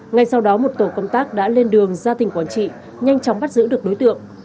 ngay sau đó một tổ công tác đã lên đường ra tỉnh quảng trị nhanh chóng bắt giữ được đối tượng